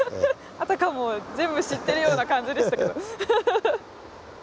あたかも全部知ってるような感じでしたけど。